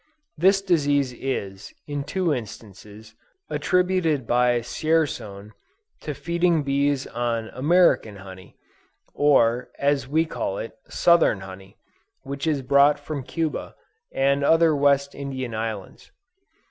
This disease is, in two instances, attributed by Dzierzon, to feeding bees on "American Honey," or, as we call it, Southern Honey, which is brought from Cuba, and other West India Islands.